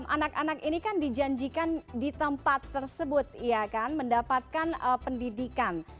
anak anak ini kan dijanjikan di tempat tersebut mendapatkan pendidikan